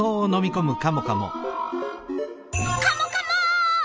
カモカモ！